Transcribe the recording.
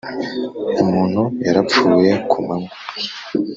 umuntu yarapfuye kumanywa